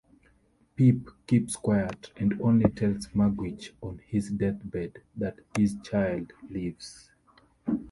Pip keeps quiet, and only tells Magwitch, on his deathbed, that his child lives.